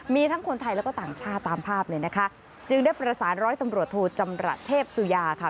มีทั้งคนไทยแล้วก็ต่างชาติตามภาพเลยนะคะจึงได้ประสานร้อยตำรวจโทจำระเทพสุยาค่ะ